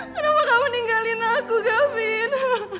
kenapa kamu ninggalin aku kabin